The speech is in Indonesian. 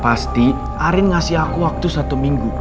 pasti arin ngasih aku waktu satu minggu